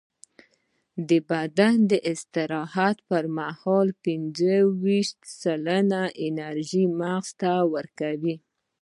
بدن د استراحت پر مهال پینځهویشت سلنه انرژي مغزو ته ورکوي.